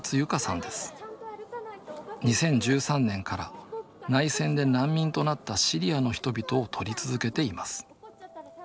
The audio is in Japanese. ２０１３年から内戦で難民となったシリアの人々を撮り続けています。